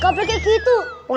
kau pake gitu